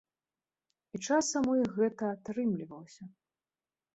І часам у іх гэта атрымлівалася.